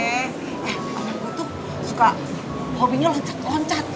eh anak gua tuh suka hobinya loncat loncat